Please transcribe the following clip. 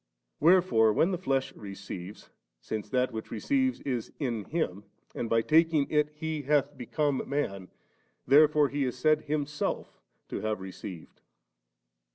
Wherefore, when the flesh receives, since that which receives is in Him, and by taking it He hath become man, therefore He is said Himself to have received.